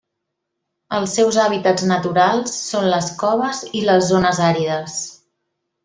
Els seus hàbitats naturals són les coves i les zones àrides.